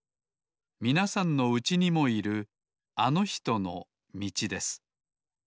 みなさんのうちにもいるあのひとのみちです